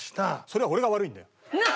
それは俺が悪いんだよ。